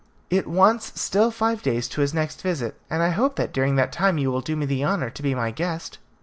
It wants still five days to his next visit, and I hope that during that time you will do me the honour to be my guest."